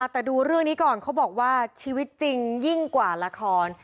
แต่ดูเรื่องนี้ก่อนเขาบอกว่าชีวิตจริงยิ่งกว่าละคร